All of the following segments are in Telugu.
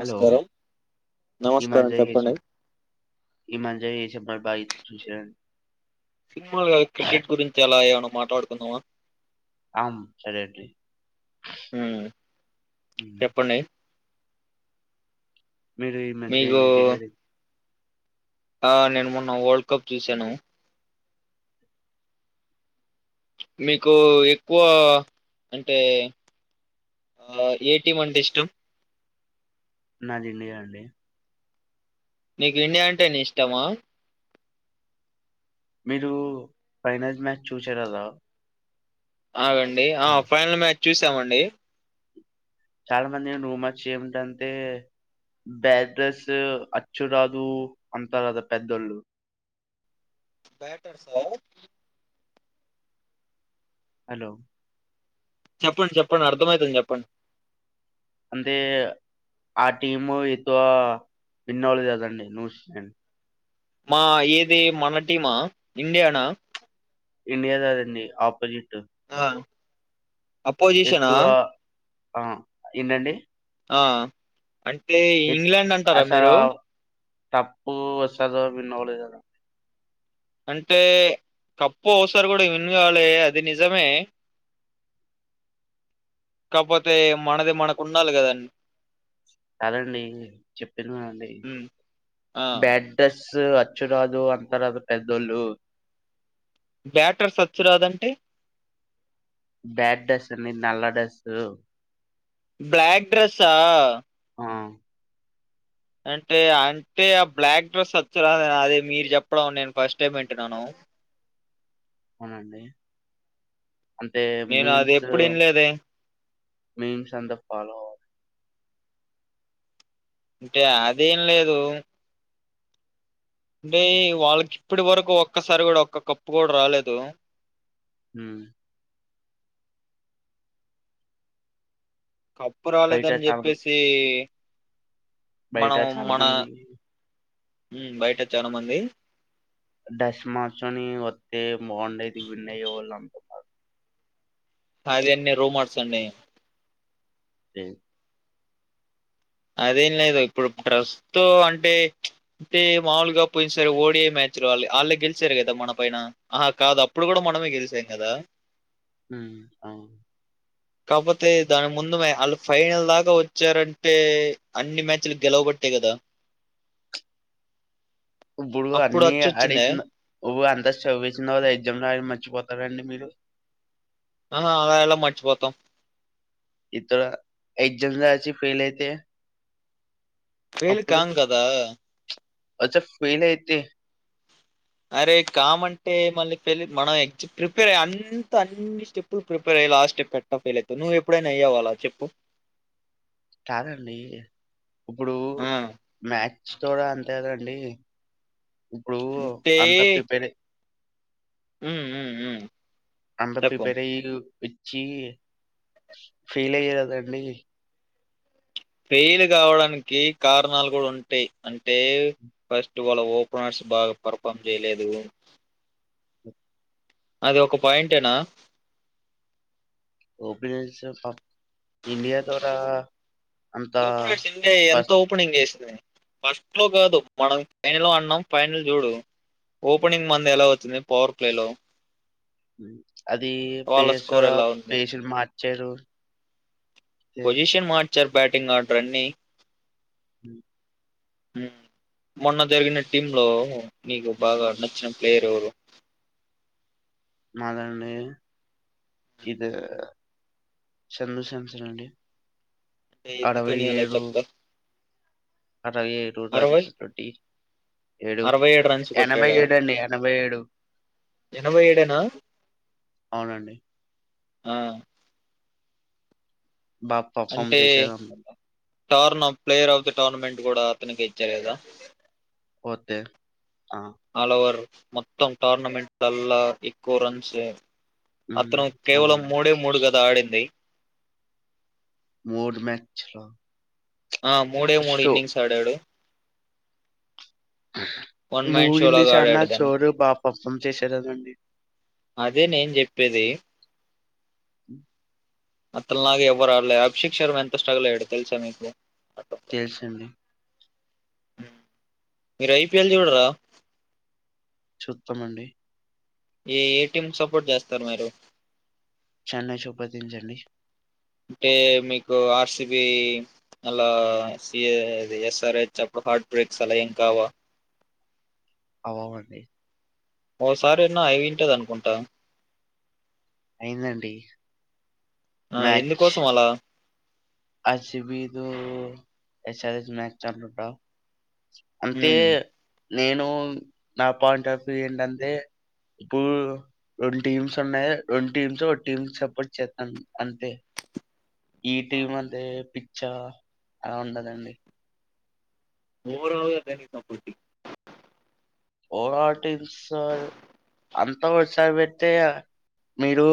హలో నమస్కారం హమాజయష చెప్పండి ఇమాజయష భాయి సూష సినిమా క్రికెట్ గురించి అలా ఏ మాట్లాడుకుందావా ఆం సరే అడి హ్మ్ చెప్పండి మీరు ఈ మీకు మంచిడ ఆ నేను మొన్న వరల్డ్ కప్ చూసాను మీకు ఎక్కువ అంటే ఏటీ వంట ఇష్టం నాదిండియా అండి నీకు ఇండియా అంటే నీ ఇష్టమా మీరు ఫైనల్ మ్యాచ్ చూసారు కదా ఆగండి ఆ హ్మ్. ఫైనల్ మ్యాచ్ చూసామండి చాలా మంది రూమచ్ ఏమిటంటే బ్యాడ్రస్ అచ్చురాదు అంటారు కదా పెద్దోళ్ళు బటర్ స హలో చెప్పండి చెప్పండి అర్థ అవుతుంది చెప్పండి అంటే ఆ టీము ఎక్కువ విన్నోలే కదండి ను మా ఏది మన టీమా ఇండియానా ఇండియా ద దన్ని ఆజిట్ ఆ అపోజిషనా ఎక్కువ ఆ ఏంటండి ఆ అంటే ఇంగ్లాండ్ అంటారా మీరు టప్పు వచ్చాదొ విన్నవలే గదా అంటే కప్పు ఒకసారి కూడా విన్ గాలే అది నిజమే కాకపోతే మనది మనకు ఉన్డాలి కదండి కాదండి చెప్పినగాఅండి ఉమ్ ఆ బ్యాట్రస్ స్ అచ్చురాదు అంతరదు పెద్దోళ్ళు బ్యాటర్స్వచ్ రాదంటే బ్లాక్ డ్రస్ అండి నల్ల డ్రస్సు బ్లాక్ డ్రెస్సా ఆ అంటే అంటే ఆ బ్లాక్ డ్రెస్ అచ్చురాదనీ అది మీరు చెప్పడం నేను ఫస్ట్ టైం వింటున్నాను అవున అండి అంటే నేను అది మీమ్స్ ఎప్పుడు వినలేదే మీమ్స్ అంతా ఫాలో అవ్వమ్ అంటే అదేం లేదు అంటే వాళ్ళకి ఇప్పటి వరకు ఒక్కసారి కూడా ఒక్క కప్పు కూడా రాలేదు హ కప్పు బయట రాలేదని చాలా మంది చెప్పేసి బయట మనం చాలా మన మంది బయట చాలా మంది డస్ మార్చోని వస్తే బగుండేది విన్ అయే వాళ్ళు అంటున్నారు అదే అన్ని రూమర్స్ అండి డెన్ అదేం లేదు ఇప్పుడు ప్రస్తుతో అంటే అంటే మాముూలుగా పోయిన సారీ ఓడియ మ్యాచ్లు వాళ్ళు వాళ్ళే గెలిచారు కదా మన పైన ఆహా కాదు అప్పుడు కూడా మనమే గెలిచాం కదా ఉమ్ అవును కాకపోతే దాని ముందుమే ఆళ్ళు ఫైనల్ దాకా వచ్చారన్ టే అన్ని మ్యాచ్లు గెలవబట్టే కదా ఇప్పుడు అప్పుడు అన్ని అచ్చొచ్చిందే అడిసినా ఓవో సవేసిన ఎగ్జామ్ రాయడం మర్చిపోతారండి మీరు ఆా అలా ఎలా మర్చిపోతం ఇతడ ఎగ్జామ్ రాసి ఫెయిల్ అయితే ఫెయిల్ కామ్ కదా అచ్చా ఫెయిల్ అయితే అరే కామంటే మళ్ళీ ఫెయిల్ మనం ఇగ్జ్ ప్రిపేర్ అయ్ అంత అన్ని స్టెప్పులు ప్రిపేర్ అయ్ లాస్ట్ స్టెప్ ఎట్టా ఫెయిల్ అయ్తావు నువ్వు ఎప్పుడైనా అయ్యావా అలా చెప్పు కాదండి ఇప్పుడు ఆ మ్యా చ్ కూడా అంతే కదండి ఇప్పుడు అంటే అంత ప్రిపేర్ ఉమ్ ఉమ్ ఉమ్ అంత చెప్పు ప్రిపేర్ అయిలు పిచ్చి ఫెయిల్ అయి కదండీ ఫెయిల్ కావడానికి కారణాలు కూడా ఉంటాయి అంటే ఫస్ట్ వాళ్ళ ఓపెనర్స్ బాగా పర్ఫార్మ్ చేయలేదు ఓపెనంట్స్ పా ఓ ఓపనర్స్ ఇండియా ఎంత ఫస్ట్ ఓపెనింగ్ చేసినాయి ఫస్ట్ లో కాదు మనం ఫైనల్ అన్నాం ఫైనల్ చూడు ఓపెనింగ్ మంది ఎలా అవుతుంది పవర్ ప్లే లో హ్మ్ అది వాళ్ళ స్కోర్ పేసరా ఎలా ఉంది పేసిల్ మా చరు పోసిషన్ మాడ్ చ్చర్ బ్యాటింగ్ ఆడ్రన్ని హ్మ్ హ్మ్ మొన్న జరిగిన టీమ్ లో నీకు బాగా నచ్చిన ప్లేయర్ ఎవరు మాదండి ఇది సంజుశాంసన్ అండి ఎ ఎందుకని అలా చెప్ప అరవై ఏడు రన్స్ తోటి ఏడు అరవై రన్స్ ఎనభై కొట్టాడా ఏడు అండి ఎనభై ఏడు ఎనభై ఏడేనా అవునండి ఆ బా పర్‌ఫార్మ్ అంటే చేసేదనమాట. Turn of player of the tournament ఇకూడా అతనికె ఇచ్చారు కదా పోతే ఆ! ఆల్ ఓవర్ మొత్తం టోర్నమెంట్లలా ఎక్కువ రన్స్ హ్మ్. అతను కేవలం అవునండి. మూడే మూడుగా ద ఆడింది మోడు మ్యాచ్ లో ఆ మూడే మూడు ఇన్నింగ్స్ ఆడాడు వన్ మ్యాన్ షోలోగా చానా ఆడాడదాన్ని షోలు బా పర్‌ఫార్మ్ చేశారనండి. అదే నేను చెప్పేది హ్మ్ అతను లాగా ఎవ్వరు ఆడలే అభిషిక్ శర్మ ఎంత స్ట్రగల్యడు తెల్సా మీకు తెలుసు అండి హ్మ్ మీరు ఐపీఎల్ చూడరా చూతామండి ఏ ఏటిఎం సపోర్ట్ చేస్తారు మీరు చెన్నై చూపకింగ్స్ అండి అంటే మీకు ఆర్సిబి అలా ఎస్ఆర్ హెచ్ అప్పుడు హార్ట్ బ్రేక్స్ అలా ఏం కావా అవవండి ఓసారిన్న అవి వింటది అనుకుంటా అయిందండి ఆ ఎందుకోసం అలా ఆసవి ఎసేజ మ్యాచ్ చ రా అతే ఉమ్ నేను నా పాయింట్ ఆఫ్ వ్యూ ఏంటంటే ఇప్పుడు రెండు టీమ్స్ ఉన్నాయి రెండు టీమ్స్ ఒక టీమ్ సపోర్ట్ చేస్తాను అంతే ఈ టైమల్ పిచ్చా అలా ఉండదండి మరా తని సపటీ పోరాటి స అంత ఒకసారి పెడితే మీరు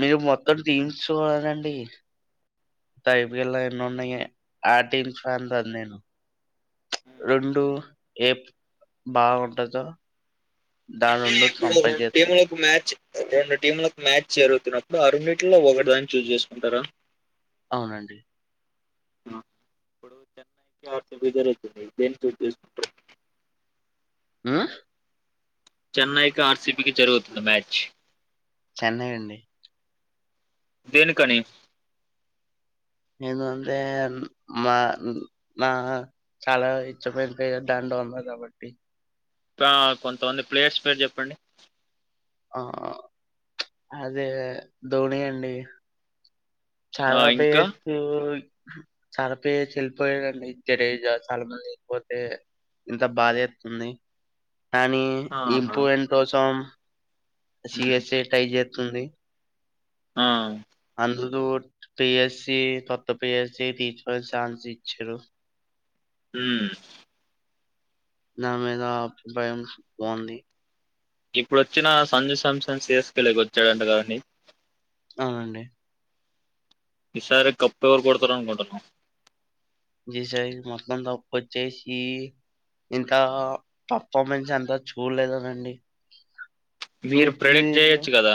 మీరు మొత్తం టీమ్స్కోాలాలండి ఇపుళ ఎన్న ఉన్నాయి ఆ మ్స్తుది నేను హ్మ్. రెండు ఏ బాగుంటందో అంటే ఇప్పుడు రెండు టీములకు మ్యాచ్ రెండు టీంలకు మ్యాచ్ జరుగుతున్నప్పుడు అరు నట్లో ఒకటిదాని చూజ చేసుకుంటారా అవునండి పప్పుడు ఇ అర్థ బ గరజ ఆ చెన్నైకి ఆర్సిీపీకి జరుగుతుంది మ్యాచ్ చెన్నై అండి దన్ కని ఎందు అంటే మా నా చాలా ఇచ్చపోయిన దండ ఉంది కాబట్టి ఇ కొంతమంది ప్లేయర్స్ పేరు చెప్పండి ఆ అదే ధోని అండి ఆ చాలా ఇంకా బేస్ చలపైయ్యా చనిపోయాడండి తెరజ చాలా మంది ఎల్లిపోతే ఇంత బాదేత్తంది కానీ ఆహా ఇంపువెంట్ కోసం ఉమ్ సిఎస్ఏ టైజె తుండి ఆ అందు పిఎస్సి కొత్త పిఎస్సి తీచకో ఛాన్స్ ఇచ్చారు హూ దాని మీద అభిప్రాయం బావుంది ఇప్పుడు వచ్చిన సంజు శాంసన్ సిఎస్కెళ్ కీ వచ్చాడంట కదండి అ అండి ఈసారి కప్పెవరు కొడతారు అనుకోంటున్నవ్ న ఈ సారి మొత్తం కప్పు వచ్చేసి ఇంత పప్పామెన్స్ ఎంత చూడలేదనండి మీరు ప్రడెక్ట్ మిడ్‌ఫీల్డ్‌లో చేయొచ్చు కదా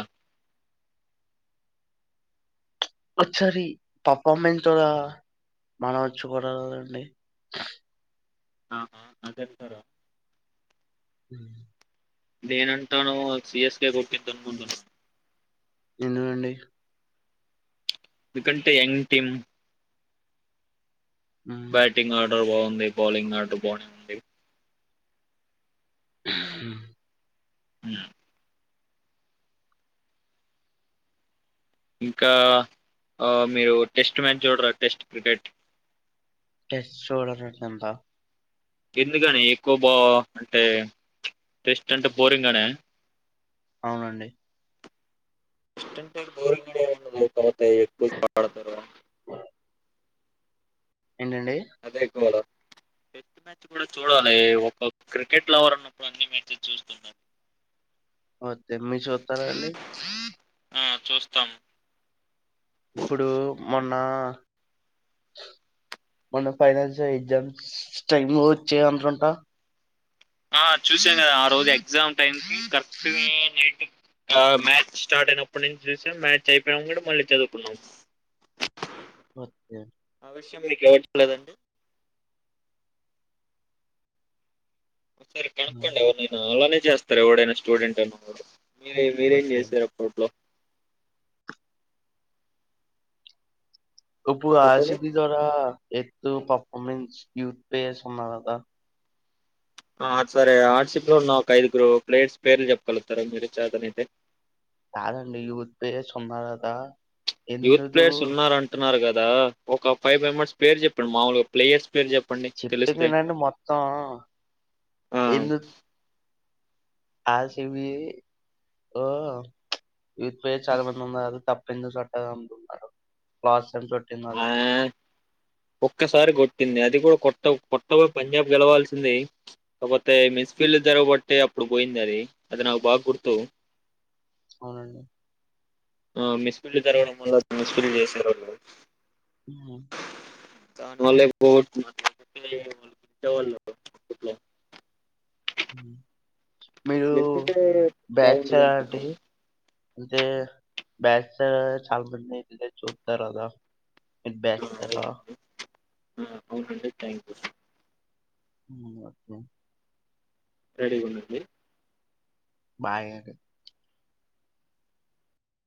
వచ్చారి పాప్పా మెంచ్ కూడా మనం చూడాలండి ఆహా అదంతరో అ నేనంటాను సీయస్ కే కొట్టిద్ధి అనుకుంటున్నా ఎందుకండి ఎందుకంటే ఎంగ్ టీం హ్మ్. బ్యాటింగ్ ఆట ట బాగుంది బౌలింగ్ ఆట బనే ఉంది హ ఉమ్ ఇంకా ఆ మీరు టెస్ట్ మ్యాచ్ చూడరా టెస్ట్ క్రికెట్ టెస్ట్ చూడనండి అంత ఎందుకని ఎక్కువ బా అంటే టెస్ట్ అంటే బోరింగ్ అనా అవునండి టెస్టింగ్ బోరింగ్గనే ఉంటది బ్రో తరవాత నే బాగాడతారు ఏంటండి అదే గోల టెస్ట్ మ్యాచ్ కూడా చూడాలి ఒక క్రికెట్ లవర్ అన్నప్పుడు అన్ని మ్యాచెస్ చూస్తుండాలి ఓకే మీరూ చూతార అండి ఆ చూస్తాం ఇప్పుడు మొన్న మొన్న ఫైనాల్ ఎగ్జామ్స్ టైమ్ వచ్చయనుకుంటా ఆ చూసాను కదా ఆ రోజు ఎగ్జామ్ టైంకి కరెక్ట్ గా నైట్ ఆ మ్యాచ్ స్టార్ట్ అయినప్పటి నుంచి చూసాం మ్యాచ్ అయిపోయినంక కూడా మళ్ళీ చదువుకున్నాం ఓకే [unintelligible] ఎవరికీ లేదండి సారి హ్మ్. కనుక్కోండి ఎవరినైనా అలానే చేస్తారు ఎవడైనా స్టూడెంట్ అను మరీ మీరేం ఓకే. చేసారు అప్పట్లో ఇప్పుడు అర్ సి చెప్పండి బి ద్వారా పర్ఫార్మెన్స్ యూత్ ప్లేయర్స్ అన్న కదా ఆ సరే ఆర్షిబి లో ఉన్న ఒక ఐదుగురు ప్లేయర్స్ పేర్లు చెప్పగలుగుతారు మీరు చేతన అయితే కదండి యూత్ ప్లేయర్స్ అన్న కదా యూత్ ఎందుకు ప్లేయర్స్ ఉన్నారూ అంటున్నారు కదా దా ఒక ఫైవ్ మెంబెర్స్ వి పేర్లు చెప్పండి మాముూలుగా ప్లేయర్స్ పేరు చెప్పండి తెలిస్తే చెప్పినానండి మొత్తం ఆ ఎందుకు అర్ సి బి ఓ యూత్ ప్లేయర్స్ చాలా మంది ఉన్నారు త [inaudible] ఆ ఒక్కసారి కొట్టింది అది అది కూడా కొత్త కొత్త పోయి పంజాబ్ గెలవాల్సింది కాకపోతే మిస్ ఫీల్డ్ జరగబట్టి అప్పుడు పోయింది అది అది నాకు బాగా గుర్తు అవునండి ఆ మెస్పిల్లు తరగడం వల్ల మిస్పిల్లు చేశారు వాళ్ళు హ దాని వల్లే బో [unintelligible] అప్పటిలో హ లేకుంటే బాగుండదు అంటే అనుకుంటున్నాన అంటే బ్యాచిలర్ చాలా మంది అంటే చూస్తారు కదా ఇబ్బే ఆ, హలో అవునండి ఆ అవునండి thank you you okay ready గా ఉండండి బాయ్ అండి